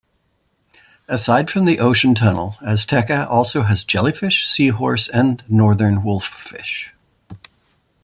Aside from the Ocean Tunnel, Azteca also has jellyfish, seahorse and northern wolffish.